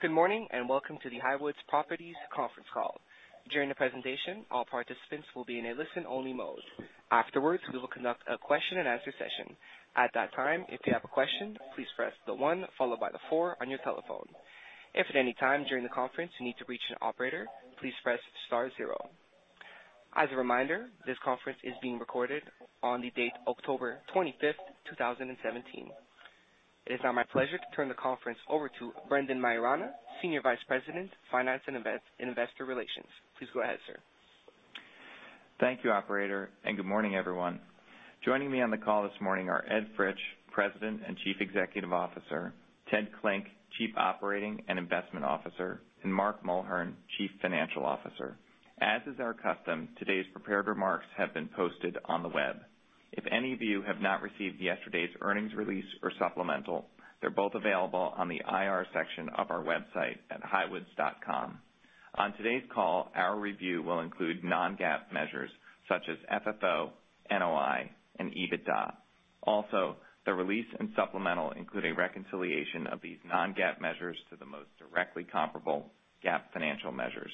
Good morning, welcome to the Highwoods Properties conference call. During the presentation, all participants will be in a listen-only mode. Afterwards, we will conduct a question-and-answer session. At that time, if you have a question, please press the one followed by the four on your telephone. If at any time during the conference you need to reach an operator, please press star zero. As a reminder, this conference is being recorded on October 25, 2017. It is now my pleasure to turn the conference over to Brendan Maiorana, Senior Vice President, Finance and Investor Relations. Please go ahead, sir. Thank you, operator, good morning, everyone. Joining me on the call this morning are Ed Fritsch, President and Chief Executive Officer, Ted Klinck, Chief Operating and Investment Officer, and Mark Mulhern, Chief Financial Officer. As is our custom, today's prepared remarks have been posted on the web. If any of you have not received yesterday's earnings release or supplemental, they are both available on the IR section of our website at highwoods.com. On today's call, our review will include non-GAAP measures such as FFO, NOI, and EBITDA. The release and supplemental include a reconciliation of these non-GAAP measures to the most directly comparable GAAP financial measures.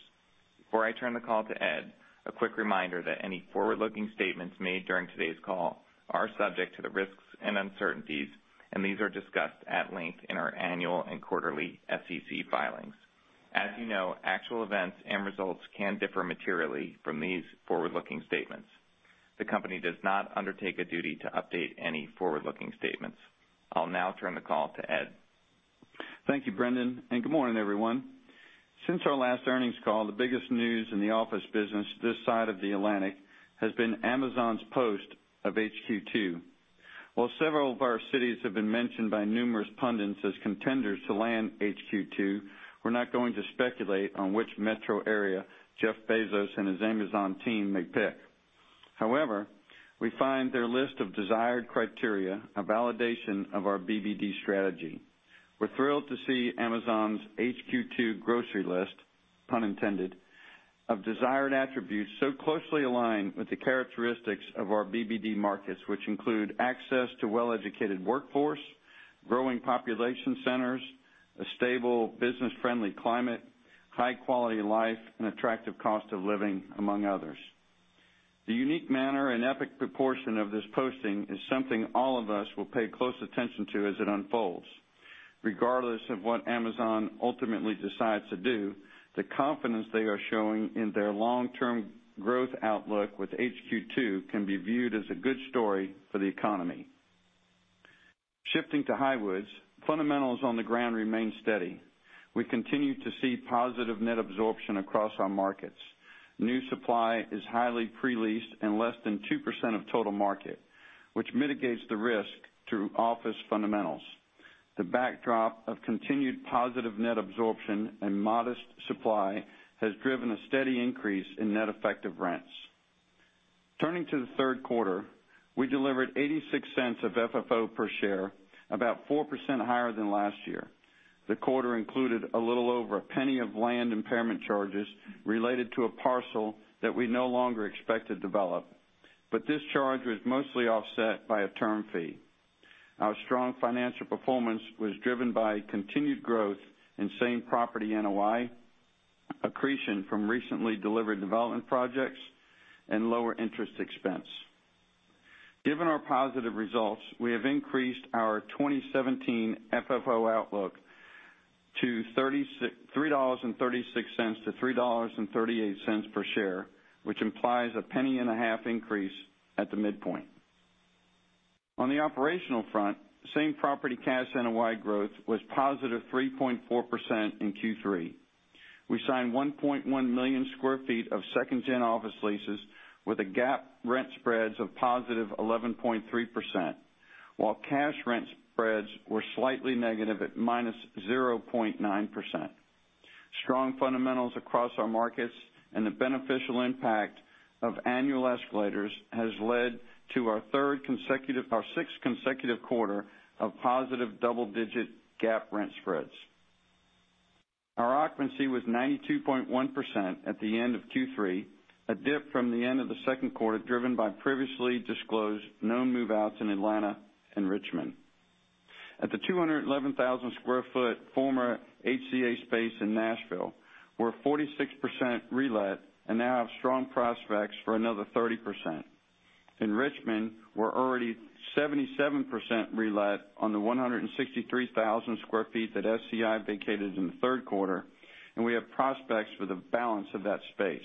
Before I turn the call to Ed, a quick reminder that any forward-looking statements made during today's call are subject to the risks and uncertainties, and these are discussed at length in our annual and quarterly SEC filings. As you know, actual events and results can differ materially from these forward-looking statements. The company does not undertake a duty to update any forward-looking statements. I will now turn the call to Ed. Thank you, Brendan, good morning, everyone. Since our last earnings call, the biggest news in the office business this side of the Atlantic has been Amazon's post of HQ2. While several of our cities have been mentioned by numerous pundits as contenders to land HQ2, we are not going to speculate on which metro area Jeff Bezos and his Amazon team may pick. However, we find their list of desired criteria a validation of our BBD strategy. We are thrilled to see Amazon's HQ2 grocery list, pun intended, of desired attributes so closely aligned with the characteristics of our BBD markets, which include access to well-educated workforce, growing population centers, a stable business-friendly climate, high quality of life, and attractive cost of living, among others. The unique manner and epic proportion of this posting is something all of us will pay close attention to as it unfolds. Regardless of what Amazon ultimately decides to do, the confidence they are showing in their long-term growth outlook with HQ2 can be viewed as a good story for the economy. Shifting to Highwoods, fundamentals on the ground remain steady. We continue to see positive net absorption across our markets. New supply is highly pre-leased and less than 2% of total market, which mitigates the risk to office fundamentals. The backdrop of continued positive net absorption and modest supply has driven a steady increase in net effective rents. Turning to the third quarter, we delivered $0.86 of FFO per share, about 4% higher than last year. The quarter included a little over $0.01 of land impairment charges related to a parcel that we no longer expect to develop. This charge was mostly offset by a term fee. Our strong financial performance was driven by continued growth in same-property NOI, accretion from recently delivered development projects, and lower interest expense. Given our positive results, we have increased our 2017 FFO outlook to $3.36 to $3.38 per share, which implies a $0.015 increase at the midpoint. On the operational front, same-property cash NOI growth was positive 3.4% in Q3. We signed 1.1 million square feet of second-gen office leases with GAAP rent spreads of positive 11.3%, while cash rent spreads were slightly negative at -0.9%. Strong fundamentals across our markets and the beneficial impact of annual escalators has led to our sixth consecutive quarter of positive double-digit GAAP rent spreads. Our occupancy was 92.1% at the end of Q3, a dip from the end of the second quarter driven by previously disclosed no move-outs in Atlanta and Richmond. At the 211,000 square foot former HCA space in Nashville, we're 46% relet and now have strong prospects for another 30%. In Richmond, we're already 77% relet on the 163,000 square feet that SCI vacated in the third quarter, and we have prospects for the balance of that space.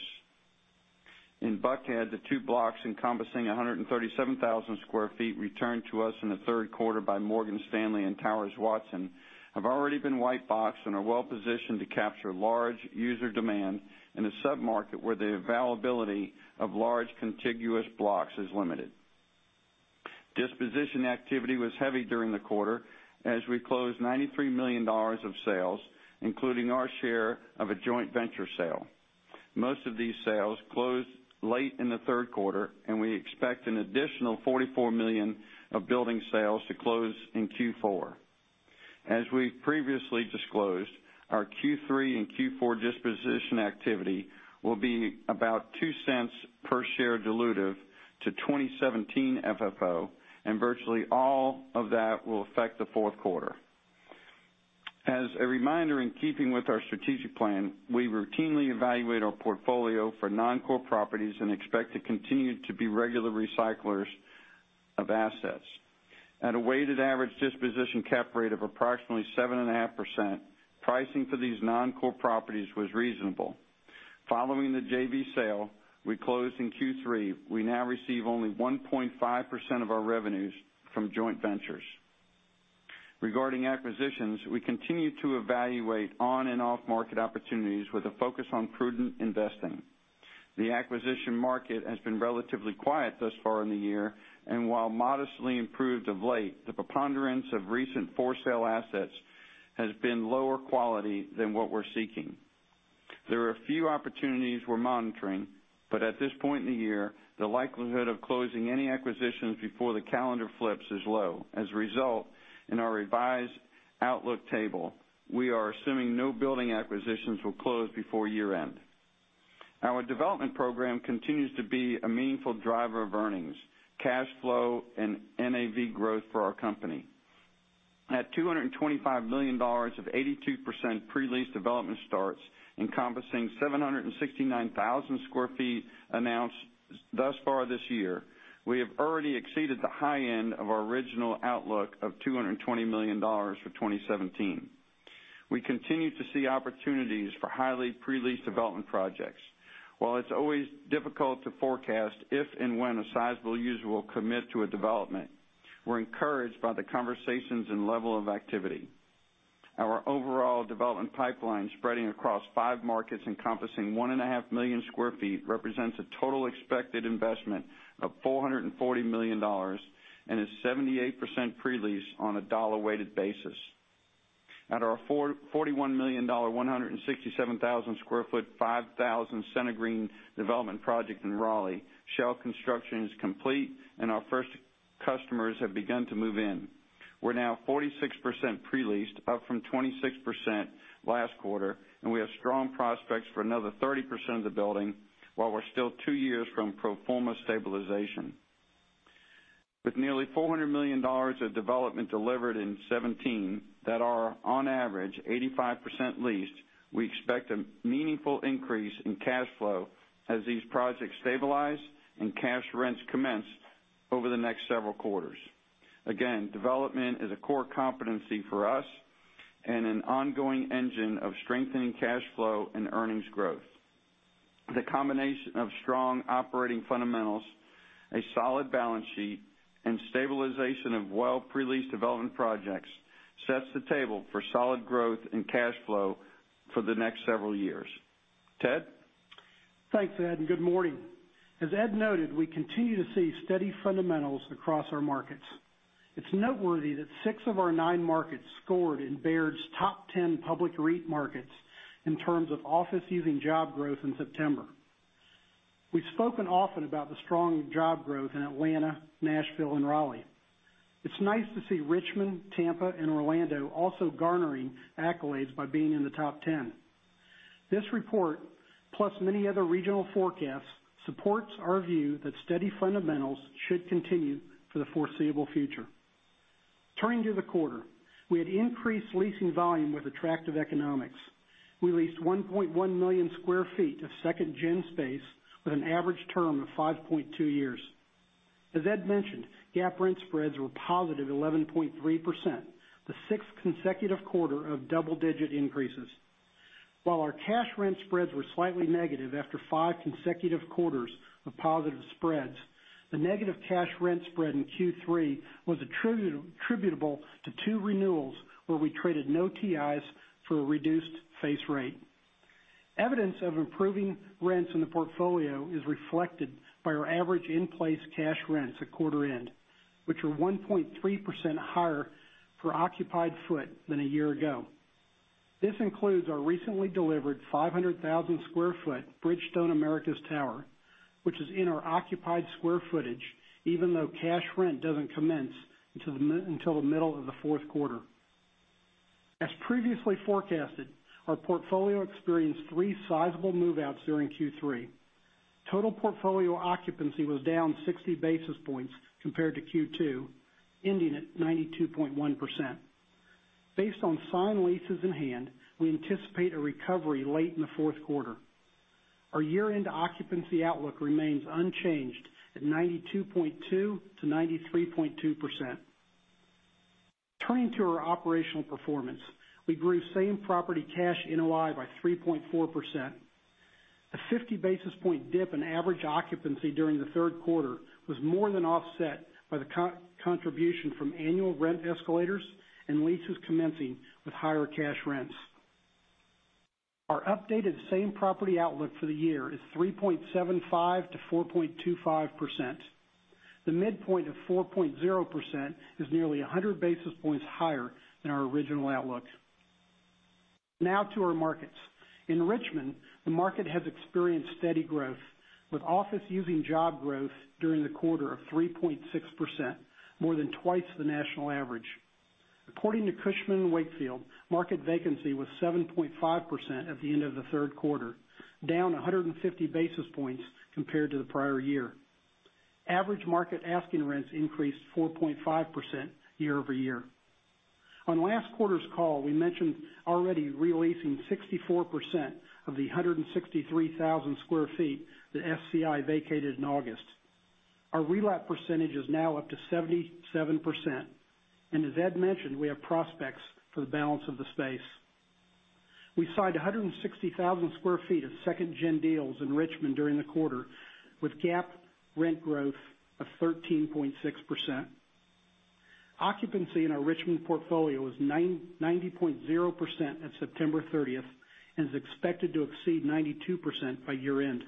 In Buckhead, the two blocks encompassing 137,000 square feet returned to us in the third quarter by Morgan Stanley and Towers Watson have already been white boxed and are well-positioned to capture large user demand in a sub-market where the availability of large contiguous blocks is limited. Disposition activity was heavy during the quarter as we closed $93 million of sales, including our share of a joint venture sale. Most of these sales closed late in the third quarter, and we expect an additional $44 million of building sales to close in Q4. As we've previously disclosed, our Q3 and Q4 disposition activity will be about $0.02 per share dilutive to 2017 FFO, and virtually all of that will affect the fourth quarter. As a reminder, in keeping with our strategic plan, we routinely evaluate our portfolio for non-core properties and expect to continue to be regular recyclers of assets. At a weighted average disposition cap rate of approximately 7.5%, pricing for these non-core properties was reasonable. Following the JV sale we closed in Q3, we now receive only 1.5% of our revenues from joint ventures. Regarding acquisitions, we continue to evaluate on and off-market opportunities with a focus on prudent investing. The acquisition market has been relatively quiet thus far in the year, while modestly improved of late, the preponderance of recent for-sale assets has been lower quality than what we're seeking. There are a few opportunities we're monitoring, but at this point in the year, the likelihood of closing any acquisitions before the calendar flips is low. As a result, in our revised outlook table, we are assuming no building acquisitions will close before year-end. Our development program continues to be a meaningful driver of earnings, cash flow, and NAV growth for our company. At $225 million of 82% pre-leased development starts encompassing 769,000 square feet announced thus far this year, we have already exceeded the high end of our original outlook of $220 million for 2017. We continue to see opportunities for highly pre-leased development projects. While it's always difficult to forecast if and when a sizable user will commit to a development, we're encouraged by the conversations and level of activity. Our overall development pipeline, spreading across five markets encompassing 1.5 million square feet, represents a total expected investment of $440 million and is 78% pre-leased on a dollar-weighted basis. At our $41 million, 167,000 square foot, 5,000 CentreGreen development project in Raleigh, shell construction is complete and our first customers have begun to move in. We're now 46% pre-leased, up from 26% last quarter, and we have strong prospects for another 30% of the building while we're still two years from pro forma stabilization. With nearly $400 million of development delivered in 2017 that are on average 85% leased, we expect a meaningful increase in cash flow as these projects stabilize and cash rents commence over the next several quarters. Again, development is a core competency for us and an ongoing engine of strengthening cash flow and earnings growth. The combination of strong operating fundamentals, a solid balance sheet, and stabilization of well pre-leased development projects sets the table for solid growth and cash flow for the next several years. Ted? Thanks, Ed, and good morning. As Ed noted, we continue to see steady fundamentals across our markets. It's noteworthy that six of our nine markets scored in Baird's top 10 public REIT markets in terms of office using job growth in September. We've spoken often about the strong job growth in Atlanta, Nashville, and Raleigh. It's nice to see Richmond, Tampa, and Orlando also garnering accolades by being in the top 10. This report, plus many other regional forecasts, supports our view that steady fundamentals should continue for the foreseeable future. Turning to the quarter, we had increased leasing volume with attractive economics. We leased 1.1 million square feet of second-gen space with an average term of 5.2 years. As Ed mentioned, GAAP rent spreads were positive 11.3%, the sixth consecutive quarter of double-digit increases. While our cash rent spreads were slightly negative after five consecutive quarters of positive spreads, the negative cash rent spread in Q3 was attributable to two renewals where we traded no TIs for a reduced face rate. Evidence of improving rents in the portfolio is reflected by our average in-place cash rents at quarter end, which were 1.3% higher per occupied foot than a year ago. This includes our recently delivered 500,000 square foot Bridgestone Americas Tower, which is in our occupied square footage, even though cash rent doesn't commence until the middle of the fourth quarter. As previously forecasted, our portfolio experienced three sizable move-outs during Q3. Total portfolio occupancy was down 60 basis points compared to Q2, ending at 92.1%. Based on signed leases in hand, we anticipate a recovery late in the fourth quarter. Our year-end occupancy outlook remains unchanged at 92.2%-93.2%. Turning to our operational performance, we grew same property cash NOI by 3.4%. A 50 basis point dip in average occupancy during the third quarter was more than offset by the contribution from annual rent escalators and leases commencing with higher cash rents. Our updated same property outlook for the year is 3.75%-4.25%. The midpoint of 4.0% is nearly 100 basis points higher than our original outlook. Now to our markets. In Richmond, the market has experienced steady growth with office using job growth during the quarter of 3.6%, more than twice the national average. According to Cushman & Wakefield, market vacancy was 7.5% at the end of the third quarter, down 150 basis points compared to the prior year. Average market asking rents increased 4.5% year-over-year. On last quarter's call, we mentioned already re-leasing 64% of the 163,000 square feet that SCI vacated in August. Our re-let percentage is now up to 77%, and as Ed mentioned, we have prospects for the balance of the space. We signed 160,000 square feet of second-gen deals in Richmond during the quarter, with GAAP rent growth of 13.6%. Occupancy in our Richmond portfolio is 90.0% at September 30th, and is expected to exceed 92% by year-end.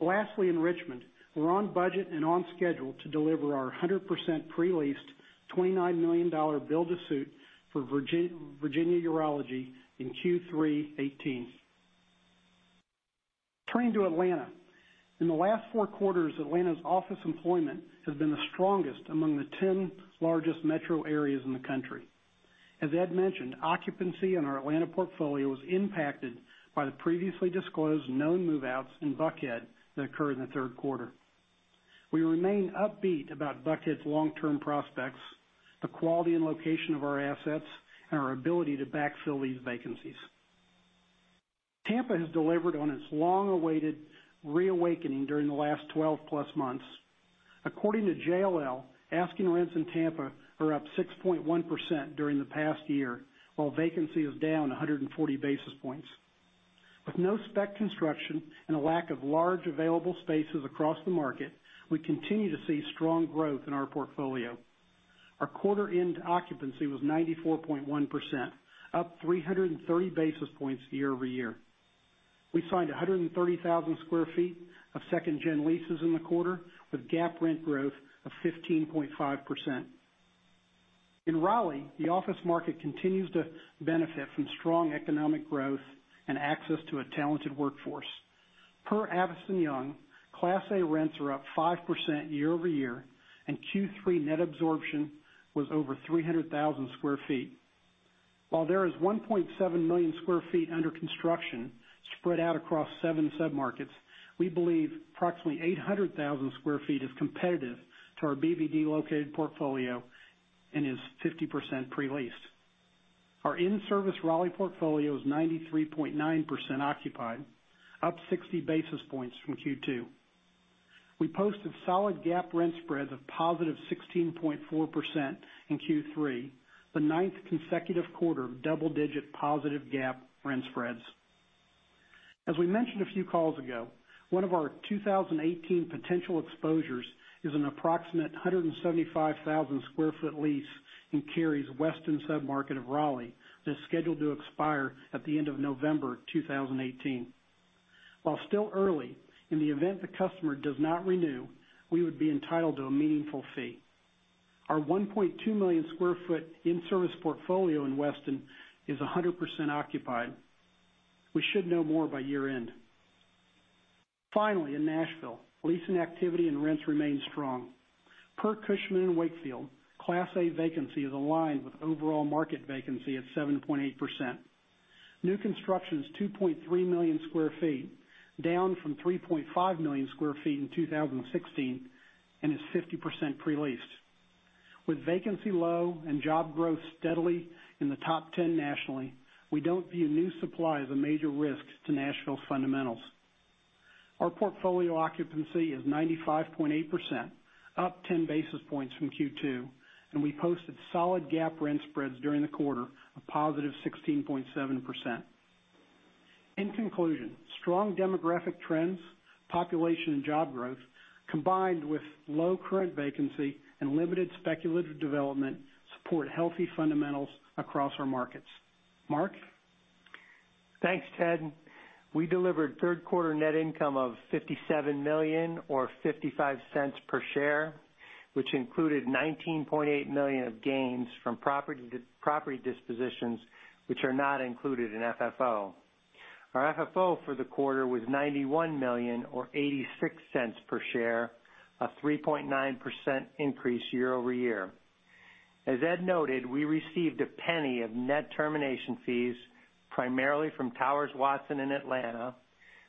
Lastly, in Richmond, we're on budget and on schedule to deliver our 100% pre-leased, $29 million build-to-suit for Virginia Urology in Q3 2018. Turning to Atlanta. In the last four quarters, Atlanta's office employment has been the strongest among the 10 largest metro areas in the country. As Ed mentioned, occupancy in our Atlanta portfolio was impacted by the previously disclosed known move-outs in Buckhead that occurred in the third quarter. We remain upbeat about Buckhead's long-term prospects, the quality and location of our assets, and our ability to backfill these vacancies. Tampa has delivered on its long-awaited reawakening during the last 12-plus months. According to JLL, asking rents in Tampa are up 6.1% during the past year, while vacancy is down 140 basis points. With no spec construction and a lack of large available spaces across the market, we continue to see strong growth in our portfolio. Our quarter-end occupancy was 94.1%, up 330 basis points year-over-year. We signed 130,000 square feet of second-gen leases in the quarter, with GAAP rent growth of 15.5%. In Raleigh, the office market continues to benefit from strong economic growth and access to a talented workforce. Per Avison Young, Class A rents are up 5% year-over-year, and Q3 net absorption was over 300,000 square feet. While there is 1.7 million square feet under construction, spread out across seven sub-markets, we believe approximately 800,000 square feet is competitive to our BBD-located portfolio and is 50% pre-leased. Our in-service Raleigh portfolio is 93.9% occupied, up 60 basis points from Q2. We posted solid GAAP rent spreads of positive 16.4% in Q3, the ninth consecutive quarter of double-digit positive GAAP rent spreads. As we mentioned a few calls ago, one of our 2018 potential exposures is an approximate 175,000 square foot lease in Cary's Weston sub-market of Raleigh that is scheduled to expire at the end of November 2018. While still early, in the event the customer does not renew, we would be entitled to a meaningful fee. Our 1.2 million square foot in-service portfolio in Weston is 100% occupied. We should know more by year-end. In Nashville, leasing activity and rents remain strong. Per Cushman & Wakefield, Class A vacancy is aligned with overall market vacancy at 7.8%. New construction is 2.3 million square feet, down from 3.5 million square feet in 2016, and is 50% pre-leased. With vacancy low and job growth steadily in the top 10 nationally, we don't view new supply as a major risk to Nashville's fundamentals. Our portfolio occupancy is 95.8%, up 10 basis points from Q2, and we posted solid GAAP rent spreads during the quarter of positive 16.7%. In conclusion, strong demographic trends, population and job growth, combined with low current vacancy and limited speculative development, support healthy fundamentals across our markets. Mark? Thanks, Ted. We delivered third quarter net income of $57 million or $0.55 per share, which included $19.8 million of gains from property dispositions, which are not included in FFO. Our FFO for the quarter was $91 million or $0.86 per share, a 3.9% increase year-over-year. As Ed noted, we received $0.01 of net termination fees, primarily from Towers Watson in Atlanta,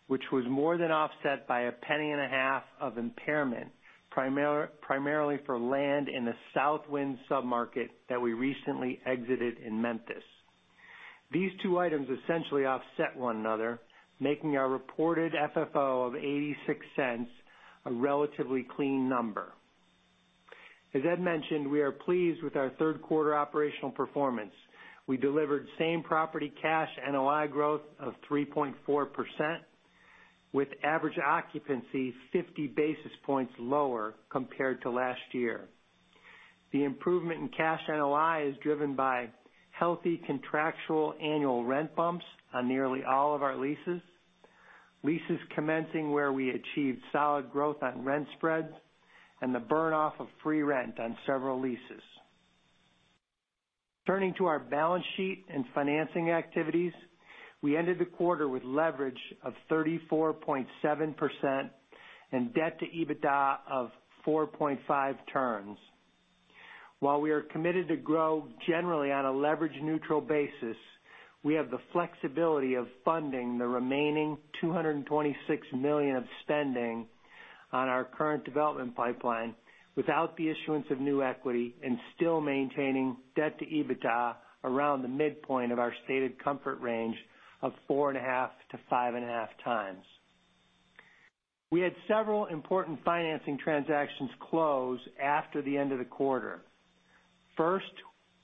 which was more than offset by $0.015 of impairment, primarily for land in the Southwind sub-market that we recently exited in Memphis. These two items essentially offset one another, making our reported FFO of $0.86 a relatively clean number. As Ed mentioned, we are pleased with our third quarter operational performance. We delivered same-property cash NOI growth of 3.4%, with average occupancy 50 basis points lower compared to last year. The improvement in cash NOI is driven by healthy contractual annual rent bumps on nearly all of our leases commencing where we achieved solid growth on rent spreads, and the burn-off of free rent on several leases. Turning to our balance sheet and financing activities, we ended the quarter with leverage of 34.7% and debt to EBITDA of 4.5 turns. While we are committed to grow generally on a leverage-neutral basis, we have the flexibility of funding the remaining $226 million of spending on our current development pipeline without the issuance of new equity and still maintaining debt to EBITDA around the midpoint of our stated comfort range of 4.5 to 5.5 times. We had several important financing transactions close after the end of the quarter. First,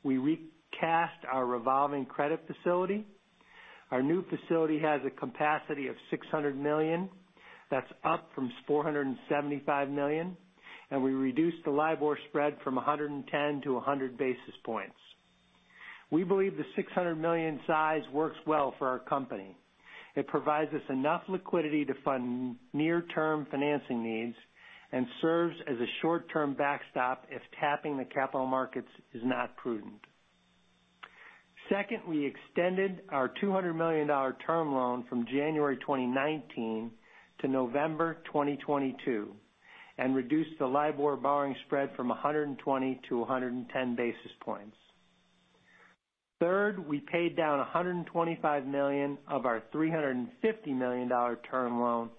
we recast our revolving credit facility. Our new facility has a capacity of $600 million. That's up from $475 million. We reduced the LIBOR spread from 110 to 100 basis points. We believe the $600 million size works well for our company. It provides us enough liquidity to fund near-term financing needs and serves as a short-term backstop if tapping the capital markets is not prudent. Second, we extended our $200 million term loan from January 2019 to November 2022 and reduced the LIBOR borrowing spread from 120 to 110 basis points. Third, we paid down $125 million of our $350 million term loan,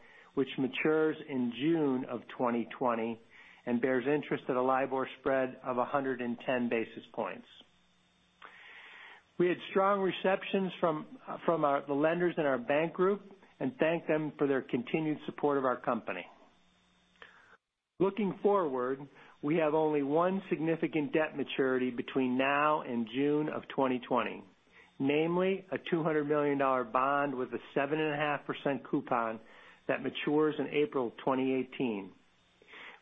which matures in June of 2020 and bears interest at a LIBOR spread of 110 basis points. We had strong receptions from the lenders in our bank group and thank them for their continued support of our company. Looking forward, we have only one significant debt maturity between now and June of 2020, namely a $200 million bond with a 7.5% coupon that matures in April 2018.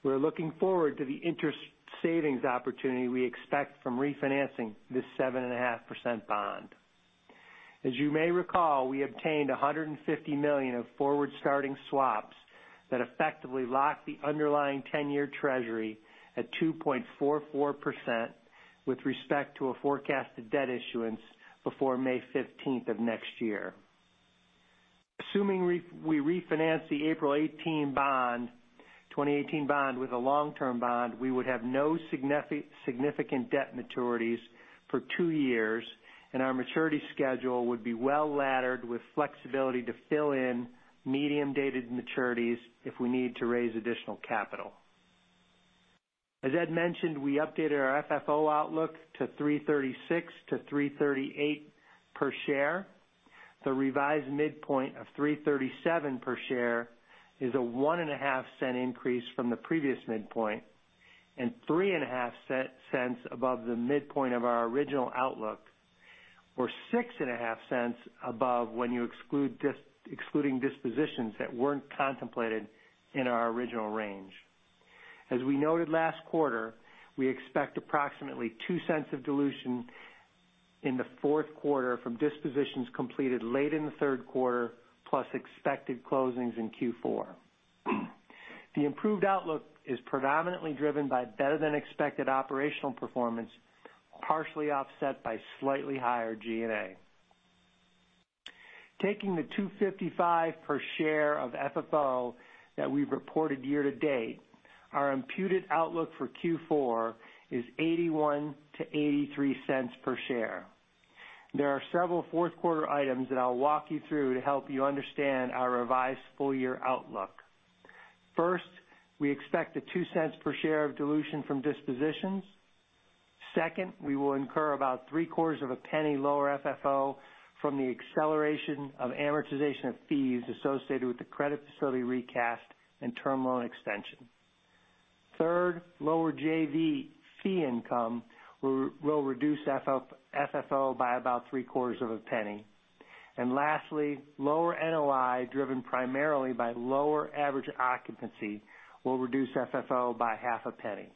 We're looking forward to the interest savings opportunity we expect from refinancing this 7.5% bond. As you may recall, we obtained $150 million of forward-starting swaps that effectively lock the underlying 10-year Treasury at 2.44% with respect to a forecasted debt issuance before May 15th of next year. Assuming we refinance the April 2018 bond with a long-term bond, we would have no significant debt maturities for two years, and our maturity schedule would be well-laddered with flexibility to fill in medium-dated maturities if we need to raise additional capital. As Ed mentioned, we updated our FFO outlook to $3.36 to $3.38 per share. The revised midpoint of $3.37 per share is a $0.015 increase from the previous midpoint and $0.035 above the midpoint of our original outlook, or $0.065 above when excluding dispositions that weren't contemplated in our original range. As we noted last quarter, we expect approximately $0.02 of dilution in the fourth quarter from dispositions completed late in the third quarter, plus expected closings in Q4. The improved outlook is predominantly driven by better-than-expected operational performance, partially offset by slightly higher G&A. Taking the $2.55 per share of FFO that we've reported year-to-date, our imputed outlook for Q4 is $0.81-$0.83 per share. There are several fourth-quarter items that I'll walk you through to help you understand our revised full-year outlook. First, we expect the $0.02 per share of dilution from dispositions. Second, we will incur about three-quarters of a penny lower FFO from the acceleration of amortization of fees associated with the credit facility recast and term loan extension. Third, lower JV fee income will reduce FFO by about three-quarters of a penny. Lastly, lower NOI, driven primarily by lower average occupancy, will reduce FFO by half a penny.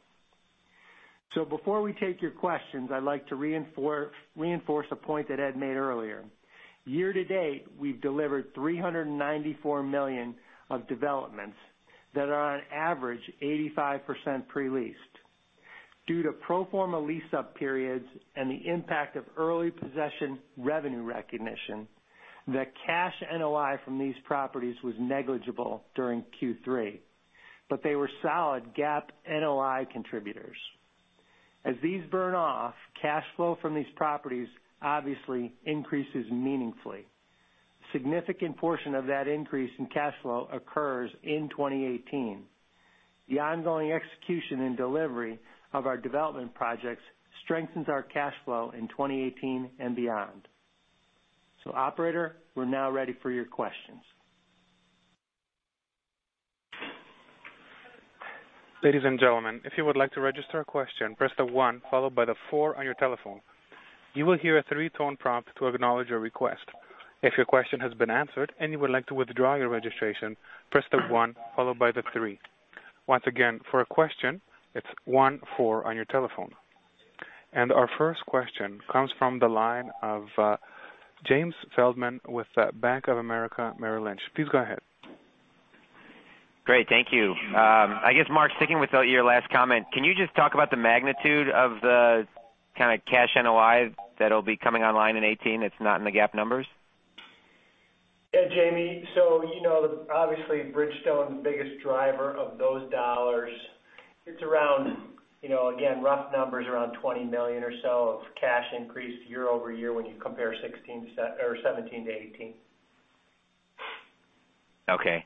Before we take your questions, I'd like to reinforce a point that Ed made earlier. Year-to-date, we've delivered $394 million of developments that are on average 85% pre-leased. Due to pro forma lease-up periods and the impact of early possession revenue recognition, the cash NOI from these properties was negligible during Q3, but they were solid GAAP NOI contributors. As these burn off, cash flow from these properties obviously increases meaningfully. A significant portion of that increase in cash flow occurs in 2018. The ongoing execution and delivery of our development projects strengthens our cash flow in 2018 and beyond. Operator, we're now ready for your questions. Ladies and gentlemen, if you would like to register a question, press the one followed by the four on your telephone. You will hear a three-tone prompt to acknowledge your request. If your question has been answered and you would like to withdraw your registration, press the one followed by the three. Once again, for a question, it's one, four on your telephone. Our first question comes from the line of James Feldman with Bank of America Merrill Lynch. Please go ahead. Great. Thank you. I guess, Mark, sticking with your last comment, can you just talk about the magnitude of the kind of cash NOI that'll be coming online in 2018 that's not in the GAAP numbers? Yeah, Jamie. Obviously, Bridgestone's the biggest driver of those dollars. It's around, again, rough numbers, around $20 million or so of cash increase year-over-year when you compare 2017 to 2018. Okay.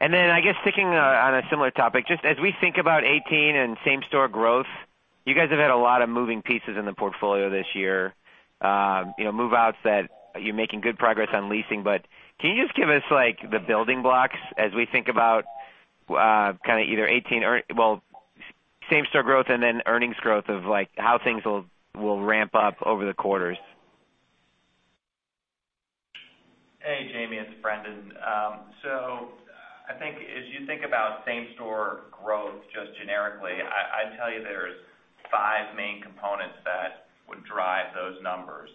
I guess sticking on a similar topic, just as we think about 2018 and same-store growth, you guys have had a lot of moving pieces in the portfolio this year. Move-outs that you're making good progress on leasing, can you just give us the building blocks as we think about same-store growth and then earnings growth of how things will ramp up over the quarters? Hey, Jamie, it's Brendan. I think as you think about same-store growth, just generically, I'd tell you there's five main components that would drive those numbers.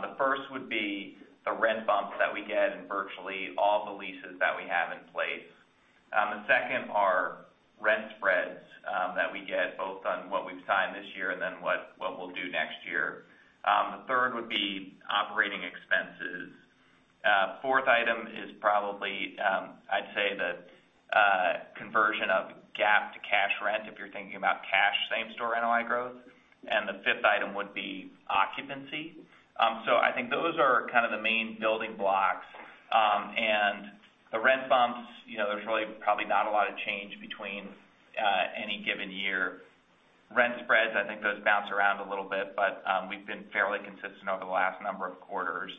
The first would be the rent bumps that we get in virtually all the leases that we have in place. The second are rent spreads that we get both on what we've signed this year and then what we'll do next year. The third would be operating expenses. Fourth item is probably, I'd say the conversion of GAAP to cash rent, if you're thinking about cash same-store NOI growth. The fifth item would be occupancy. I think those are kind of the main building blocks. The rent bumps, there's really probably not a lot of change between any given year. Rent spreads, I think those bounce around a little bit, but we've been fairly consistent over the last number of quarters.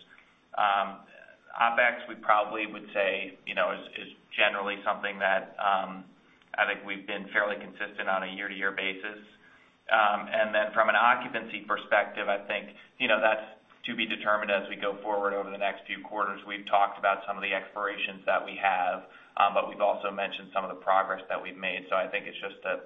OpEx, we probably would say, is generally something that I think we've been fairly consistent on a year-to-year basis. From an occupancy perspective, I think that's to be determined as we go forward over the next few quarters. We've talked about some of the expirations that we have, but we've also mentioned some of the progress that we've made. I think it's just a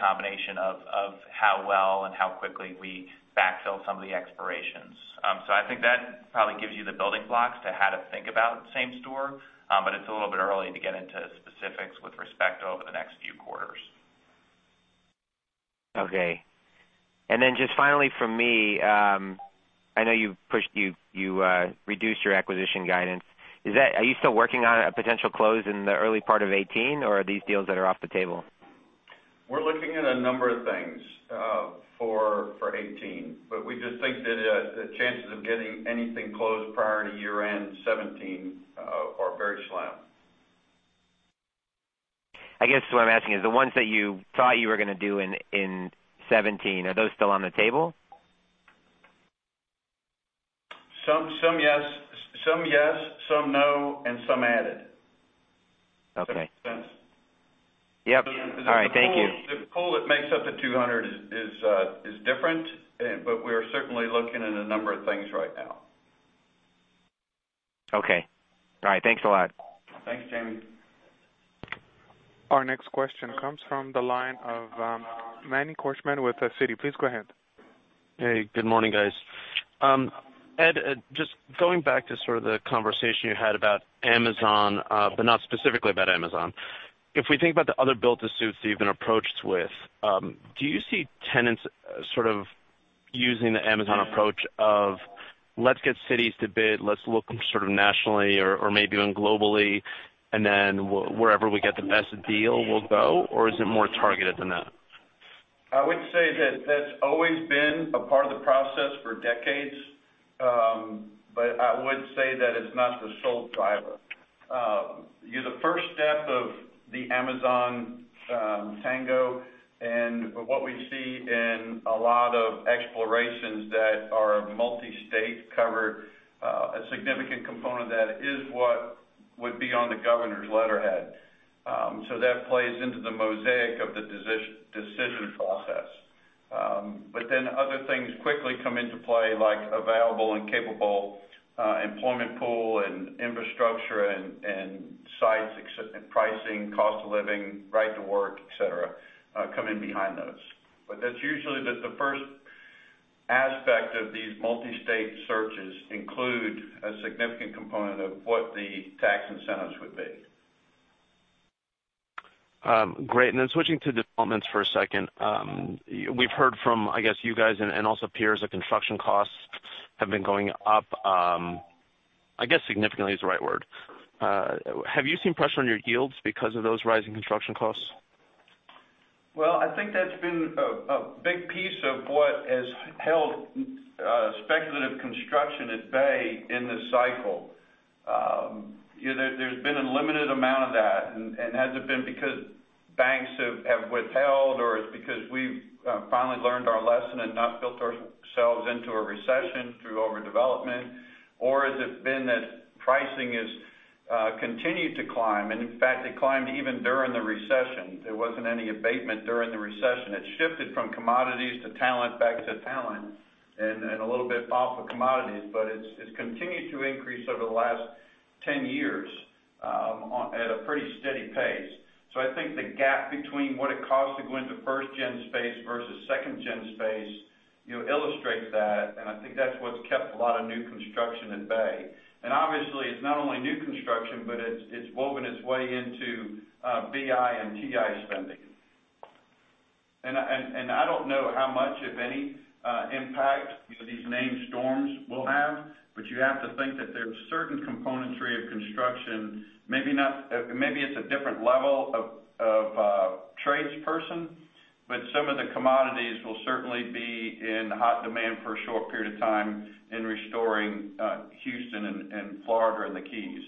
combination of how well and how quickly we backfill some of the expirations. I think that probably gives you the building blocks to how to think about same store. It's a little bit early to get into specifics with respect to over the next few quarters. Okay. Just finally from me, I know you reduced your acquisition guidance. Are you still working on a potential close in the early part of 2018, or are these deals that are off the table? We're looking at a number of things for 2018, but we just think that the chances of getting anything closed prior to year-end 2017 are very slim. I guess what I'm asking is, the ones that you thought you were going to do in 2017, are those still on the table? Some yes, some no, and some added. Okay. Does that make sense? Yep. All right, thank you. The pool that makes up the 200 is different, but we are certainly looking at a number of things right now. Okay. All right, thanks a lot. Thanks, Jamie. Our next question comes from the line of Manny Korchman with Citi. Please go ahead. Hey, good morning, guys. Ed, just going back to sort of the conversation you had about Amazon, but not specifically about Amazon. If we think about the other built-to-suits that you've been approached with, do you see tenants sort of using the Amazon approach of let's get cities to bid, let's look sort of nationally or maybe even globally, and then wherever we get the best deal, we'll go, or is it more targeted than that? I would say that that's always been a part of the process for decades. I would say that it's not the sole driver. The first step of the Amazon tango and what we see in a lot of explorations that are multi-state cover, a significant component of that is what would be on the governor's letterhead. That plays into the mosaic of the decision process. Other things quickly come into play, like available and capable employment pool and infrastructure and sites, pricing, cost of living, right to work, et cetera, come in behind those. That's usually the first aspect of these multi-state searches include a significant component of what the tax incentives would be. Great. Switching to developments for a second. We've heard from, I guess, you guys and also peers that construction costs have been going up, I guess significantly is the right word. Have you seen pressure on your yields because of those rising construction costs? Well, I think that's been a big piece of what has held speculative construction at bay in this cycle. There's been a limited amount of that, and has it been because banks have withheld, or it's because we've finally learned our lesson and not built ourselves into a recession through overdevelopment? Or has it been that pricing has continued to climb? And in fact, it climbed even during the recession. There wasn't any abatement during the recession. It shifted from commodities to talent, back to talent, and a little bit off of commodities, but it's continued to increase over the last 10 years at a pretty steady pace. I think the gap between what it costs to go into first-gen space versus second-gen space illustrates that, and I think that's what's kept a lot of new construction at bay. Obviously, it's not only new construction, but it's woven its way into BI and TI spending. I don't know how much, if any, impact these named storms will have, but you have to think that there's certain componentry of construction. Maybe it's a different level of trades person, but some of the commodities will certainly be in hot demand for a short period of time in restoring Houston and Florida and the Keys.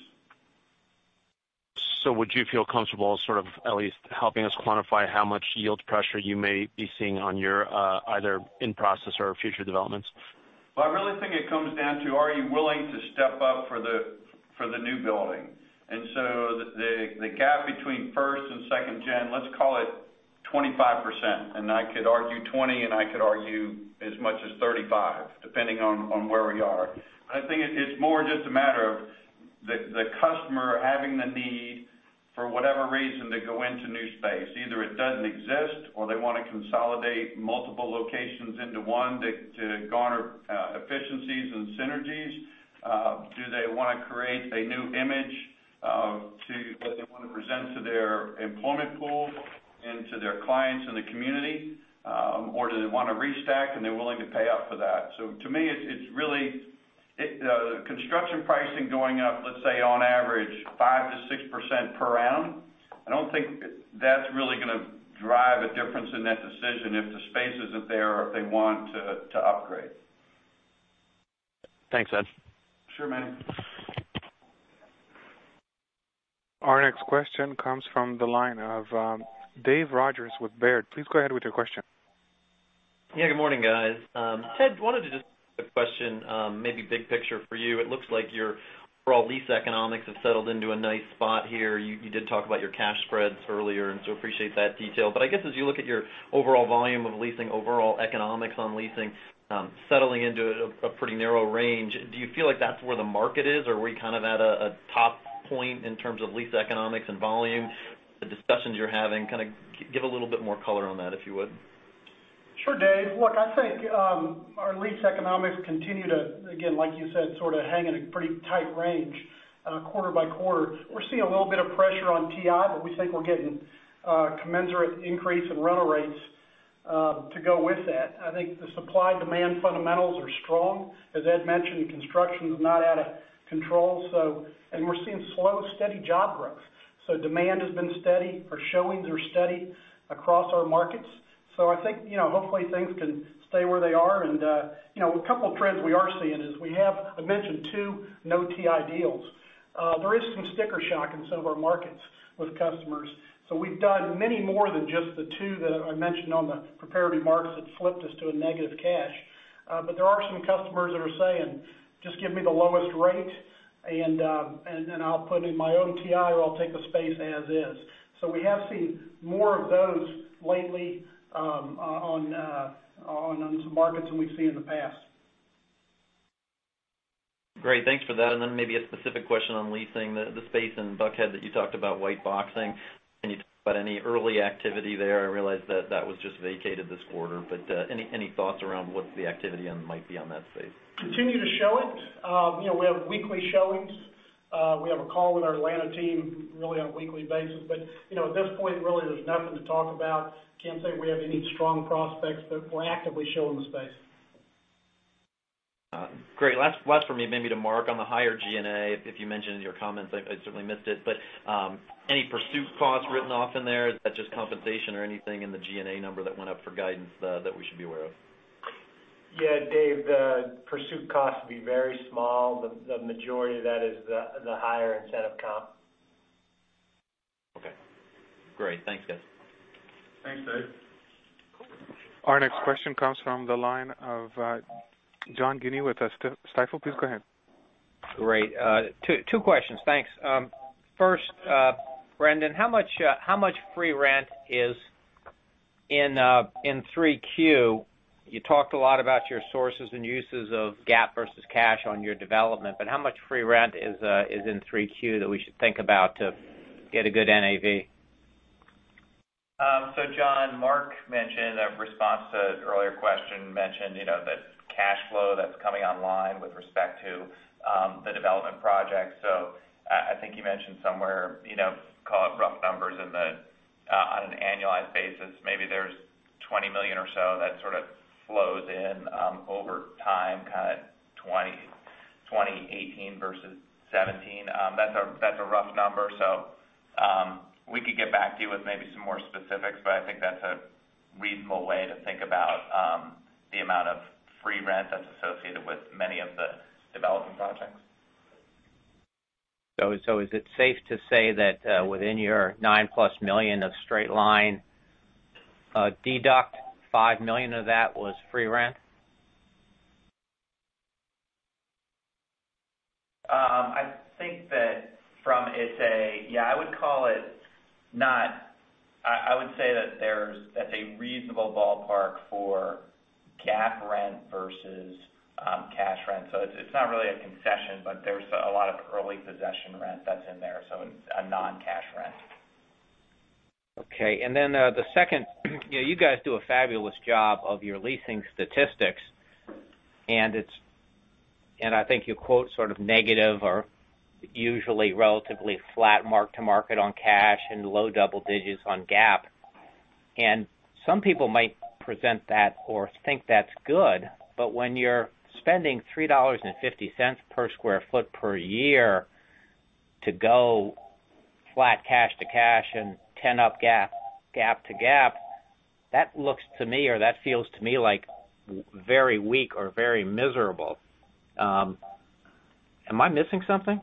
Would you feel comfortable sort of at least helping us quantify how much yield pressure you may be seeing on your either in-process or future developments? Well, I really think it comes down to, are you willing to step up for the new building? The gap between first-gen and second-gen, let's call it 25%, and I could argue 20%, and I could argue as much as 35%, depending on where we are. I think it's more just a matter of the customer having the need, for whatever reason, to go into new space. Either it doesn't exist, or they want to consolidate multiple locations into one to garner efficiencies and synergies. Do they want to create a new image that they want to present to their employment pool and to their clients in the community? Do they want to restack, and they're willing to pay up for that? To me, the construction pricing going up, let's say on average, 5%-6% per annum, I don't think that's really going to drive a difference in that decision if the space isn't there or if they want to upgrade. Thanks, Ed. Sure, man. Our next question comes from the line of David Rodgers with Baird. Please go ahead with your question. Yeah. Good morning, guys. Ted, wanted to just ask a question, maybe big picture for you. It looks like your overall lease economics have settled into a nice spot here. You did talk about your cash spreads earlier. Appreciate that detail. I guess as you look at your overall volume of leasing, overall economics on leasing, settling into a pretty narrow range, do you feel like that's where the market is, or were you kind of at a top point in terms of lease economics and volume? The discussions you're having, kind of give a little bit more color on that, if you would. Sure, Dave. Look, I think our lease economics continue to, again, like you said, sort of hang in a pretty tight range quarter by quarter. We're seeing a little bit of pressure on TI. We think we're getting commensurate increase in rental rates to go with that. I think the supply-demand fundamentals are strong. As Ed mentioned, construction's not out of control. We're seeing slow, steady job growth. Demand has been steady. Our showings are steady across our markets. I think, hopefully things can stay where they are. A couple of trends we are seeing is we have, I mentioned two no-TI deals. There is some sticker shock in some of our markets with customers. We've done many more than just the two that I mentioned on the prepared markets that flipped us to a negative cash. There are some customers that are saying, "Just give me the lowest rate, and then I'll put in my own TI, or I'll take the space as is." We have seen more of those lately on some markets than we've seen in the past. Great. Thanks for that. Maybe a specific question on leasing the space in Buckhead that you talked about white boxing. Can you talk about any early activity there? I realize that that was just vacated this quarter. Any thoughts around what the activity might be on that space? Continue to show it. We have weekly showings. We have a call with our Atlanta team really on a weekly basis, but at this point, really, there's nothing to talk about. Can't say we have any strong prospects, but we're actively showing the space. Great. Last from me, maybe to Mark on the higher G&A. If you mentioned it in your comments, I certainly missed it. Any pursuit costs written off in there? Is that just compensation or anything in the G&A number that went up for guidance that we should be aware of? Yeah, Dave, the pursuit costs will be very small. The majority of that is the higher incentive comp. Okay. Great. Thanks, guys. Thanks, Dave. Our next question comes from the line of John Guinee with Stifel. Please go ahead. Great. Two questions. Thanks. First, Brendan, how much free rent is in 3Q? You talked a lot about your sources and uses of GAAP versus cash on your development, but how much free rent is in 3Q that we should think about to get a good NAV? John, Mark mentioned a response to an earlier question, mentioned the cash flow that's coming online with respect to the development project. I think he mentioned somewhere, call it rough numbers on an annualized basis, maybe there's $20 million or so that sort of flows in over time, kind of 2018 versus 2017. That's a rough number. We could get back to you with maybe some more specifics, but I think that's a reasonable way to think about the amount of free rent that's associated with many of the development projects. Is it safe to say that within your 9-plus million of straight-line deduct, $5 million of that was free rent? I would say that's a reasonable ballpark for GAAP rent versus cash rent. It's not really a concession, but there's a lot of early possession rent that's in there, so it's a non-cash rent. Okay. The second, you guys do a fabulous job of your leasing statistics, and I think you quote sort of negative or usually relatively flat mark to market on cash and low double digits on GAAP. Some people might present that or think that's good, but when you're spending $3.50 per square foot per year to go flat cash to cash and 10 up GAAP to GAAP, that looks to me, or that feels to me like very weak or very miserable. Am I missing something?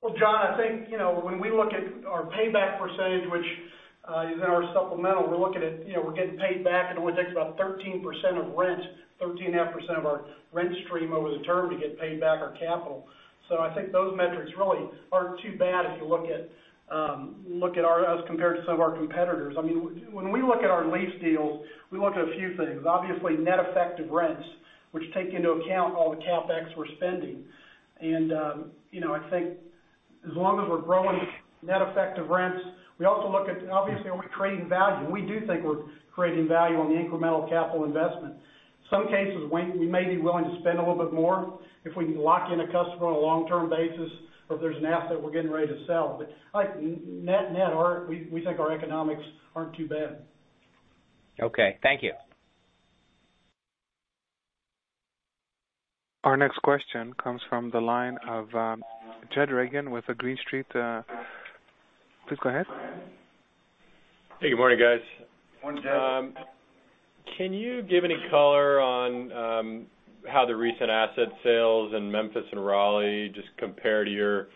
Well, John Guinee, I think, when we look at our payback percentage, which is in our supplemental, we're looking at we're getting paid back, and it only takes about 13% of rent, 13.5% of our rent stream over the term to get paid back our capital. I think those metrics really aren't too bad as you look at us compared to some of our competitors. When we look at our lease deals, we look at a few things. Obviously, net effective rents, which take into account all the CapEx we're spending. I think as long as we're growing net effective rents, we also look at, obviously, are we creating value? We do think we're creating value on the incremental capital investment. Some cases, we may be willing to spend a little bit more if we can lock in a customer on a long-term basis, or if there's an asset we're getting ready to sell. Net-net, we think our economics aren't too bad. Okay. Thank you. Our next question comes from the line of Jed Reagan with Green Street. Please go ahead. Hey, good morning, guys. Morning, Jed. Can you give any color on how the recent asset sales in Memphis and Raleigh just compare to your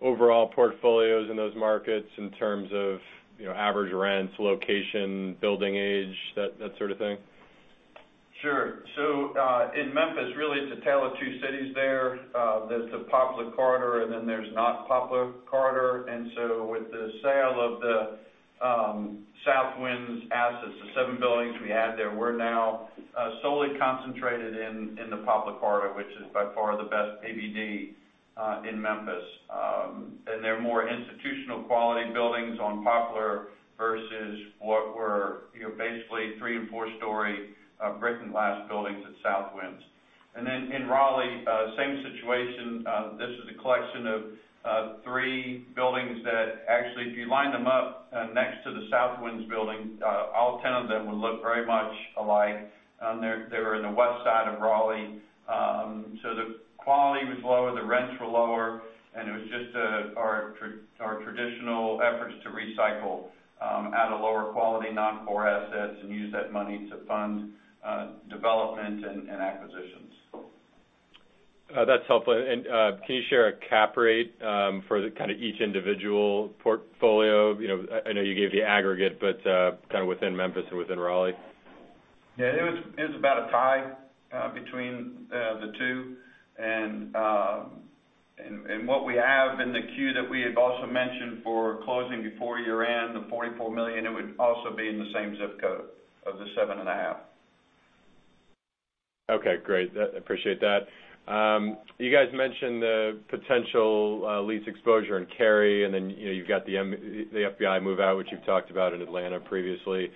overall portfolios in those markets in terms of average rents, location, building age, that sort of thing? Sure. In Memphis, really, it's a tale of two cities there. There's the Poplar corridor, there's not Poplar corridor. With the sale of the Southwind assets, the seven buildings we had there, we're now solely concentrated in the Poplar corridor, which is by far the best BBD in Memphis. They're more institutional-quality buildings on Poplar versus what were basically three- and four-story brick and glass buildings at Southwind. In Raleigh, same situation. This is a collection of three buildings that actually, if you line them up next to the Southwind building, all 10 of them would look very much alike. They were in the west side of Raleigh. The quality was lower, the rents were lower, and it was just our traditional efforts to recycle out of lower quality, non-core assets and use that money to fund development and acquisitions. That's helpful. Can you share a cap rate for kind of each individual portfolio? I know you gave the aggregate, but kind of within Memphis or within Raleigh. Yeah, it was about a tie between the two. What we have in the queue that we have also mentioned for closing before year-end, the $44 million, it would also be in the same ZIP code of the seven and a half. Okay, great. Appreciate that. You guys mentioned the potential lease exposure in Cary, then you've got the FBI move-out, which you've talked about in Atlanta previously.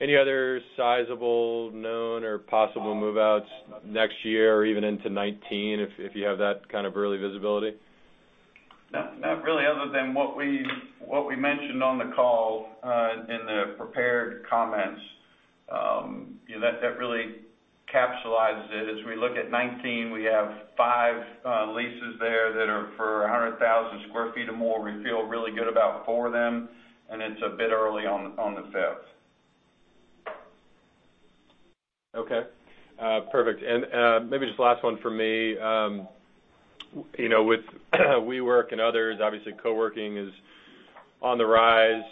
Any other sizable known or possible move-outs next year or even into 2019, if you have that kind of early visibility? Not really, other than what we mentioned on the call in the prepared comments. That really capsulizes it. As we look at 2019, we have five leases there that are for 100,000 sq ft or more. We feel really good about four of them, and it's a bit early on the fifth. Okay. Perfect. Maybe just last one from me. With WeWork and others, obviously coworking is on the rise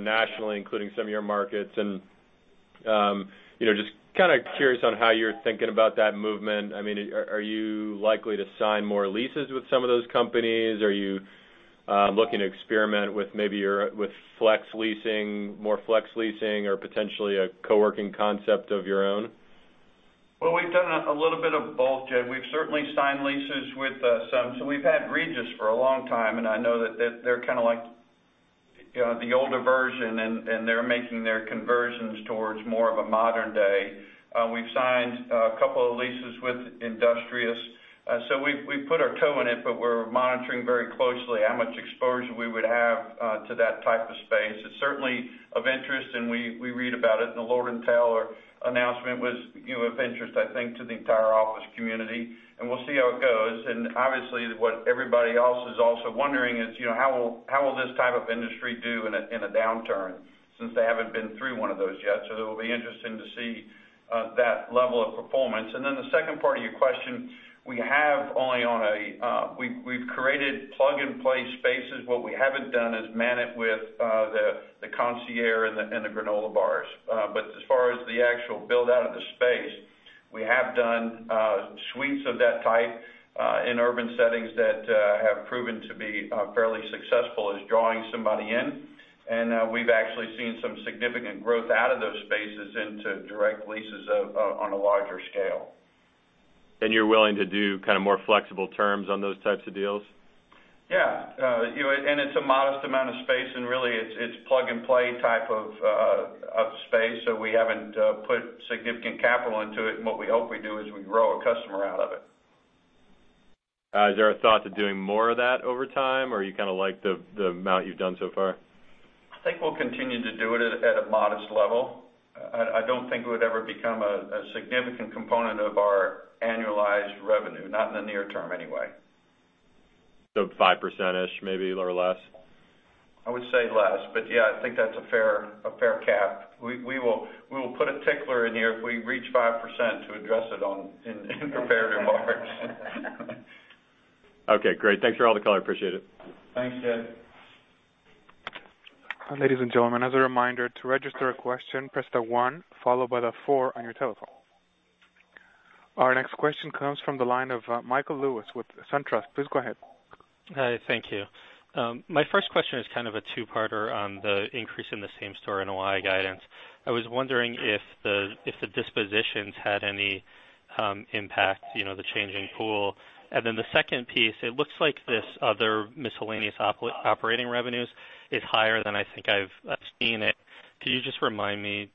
nationally, including some of your markets, just kind of curious on how you're thinking about that movement. Are you likely to sign more leases with some of those companies? Are you looking to experiment with maybe more flex leasing or potentially a coworking concept of your own? We've done a little bit of both, Jed. We've certainly signed leases with some. We've had Regus for a long time, and I know that they're kind of like the older version, and they're making their conversions towards more of a modern day. We've signed a couple of leases with Industrious. We've put our toe in it, but we're monitoring very closely how much exposure we would have to that type of space. It's certainly of interest, and we read about it, and the Lord & Taylor announcement was of interest, I think, to the entire office community, and we'll see how it goes. Obviously, what everybody else is also wondering is how will this type of industry do in a downturn, since they haven't been through one of those yet. It'll be interesting to see that level of performance. The second part of your question, we've created plug-and-play spaces. What we haven't done is man it with the concierge and the granola bars. As far as the actual build-out of the space, we have done suites of that type in urban settings that have proven to be fairly successful as drawing somebody in. We've actually seen some significant growth out of those spaces into direct leases on a larger scale. You're willing to do more flexible terms on those types of deals? Yeah. It's a modest amount of space, and really, it's plug-and-play type of space. We haven't put significant capital into it. What we hope we do is we grow a customer out of it. Is there a thought to doing more of that over time, or you kind of like the amount you've done so far? I think we'll continue to do it at a modest level. I don't think it would ever become a significant component of our annualized revenue, not in the near term anyway. 5%-ish, maybe, or less? I would say less, but yeah, I think that's a fair cap. We will put a tickler in here if we reach 5% to address it in prepared remarks. Okay, great. Thanks for all the color. Appreciate it. Thanks, Jed. Ladies and gentlemen, as a reminder, to register a question, press the one followed by the four on your telephone. Our next question comes from the line of Michael Lewis with SunTrust. Please go ahead. Hi. Thank you. My first question is kind of a two-parter on the increase in the same-store NOI guidance. I was wondering if the dispositions had any impact, the changing pool. Then the second piece, it looks like this other miscellaneous operating revenues is higher than I think I've seen it. Can you just remind me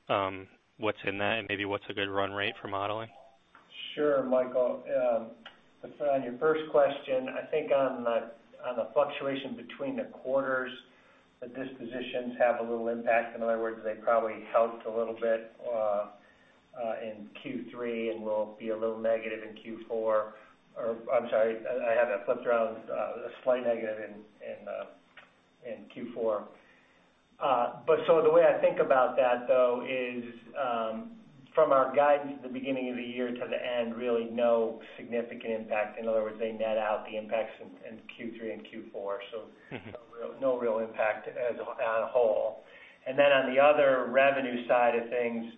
what's in that and maybe what's a good run rate for modeling? Sure, Michael. On your first question, I think on the fluctuation between the quarters, the dispositions have a little impact. In other words, they probably helped a little bit in Q3 and will be a little negative in Q4. I'm sorry, I have that flipped around. A slight negative in Q4. The way I think about that, though, is from our guidance at the beginning of the year to the end, really no significant impact. In other words, they net out the impacts in Q3 and Q4. no real impact on a whole. On the other revenue side of things,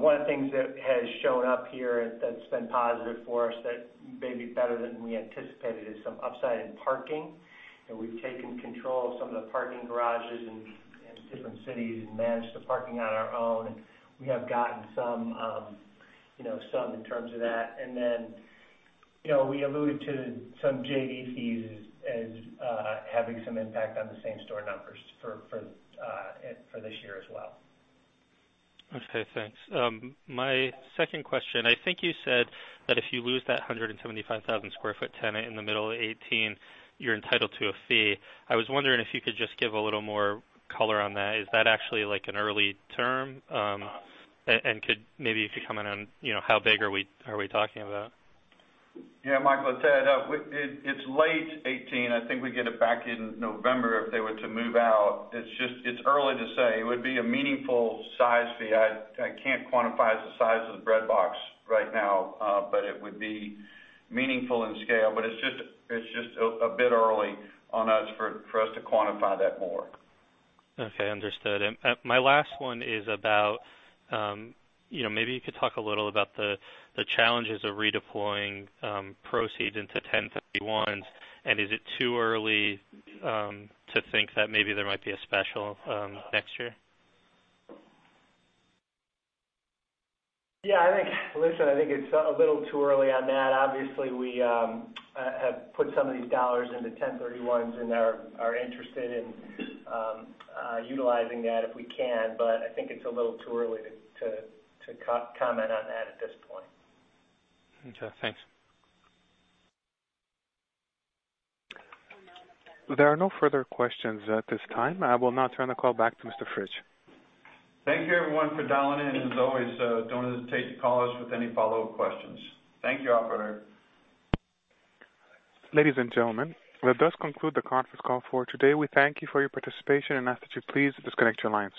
one of the things that has shown up here that's been positive for us that may be better than we anticipated is some upside in parking. We've taken control of some of the parking garages in different cities and manage the parking on our own, and we have gotten some in terms of that. We alluded to some JVs as having some impact on the same store numbers for this year as well. Okay, thanks. My second question, I think you said that if you lose that 175,000 square foot tenant in the middle of 2018, you're entitled to a fee. I was wondering if you could just give a little more color on that. Is that actually like an early term? Could maybe if you comment on how big are we talking about? Yeah, Michael, it's late 2018. I think we get it back in November, if they were to move out. It's early to say. It would be a meaningful size fee. I can't quantify the size of the breadbox right now. It would be meaningful in scale, it's just a bit early on us for us to quantify that more. My last one is about maybe you could talk a little about the challenges of redeploying proceeds into 1031s, is it too early to think that maybe there might be a special next year? Yeah. Listen, I think it's a little too early on that. Obviously, we have put some of these dollars into 1031s and are interested in utilizing that if we can, I think it's a little too early to comment on that at this point. Okay, thanks. There are no further questions at this time. I will now turn the call back to Mr. Fritsch. Thank you everyone for dialing in. As always, don't hesitate to call us with any follow-up questions. Thank you, operator. Ladies and gentlemen, that does conclude the conference call for today. We thank you for your participation and ask that you please disconnect your lines.